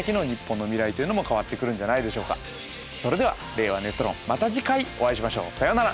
これからそれでは「令和ネット論」また次回お会いしましょう。さようなら。